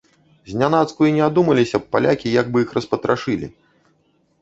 Знянацку і не адумаліся б палякі, як бы іх распатрашылі!